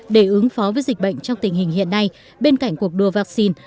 để ứng phó với dịch bệnh trong tình hình hiện nay bên cạnh cuộc đua vaccine